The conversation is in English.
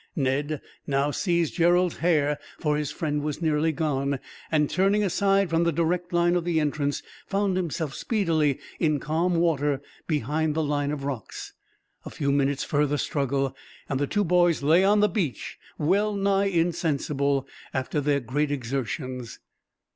Ned now seized Gerald's hair, for his friend was nearly gone; and, turning aside from the direct line of the entrance, found himself speedily in calm water, behind the line of rocks. A few minutes' further struggle and the two boys lay on the beach, well nigh insensible after their great exertions.